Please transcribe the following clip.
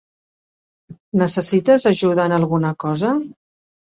Necessites ajuda en alguna cosa?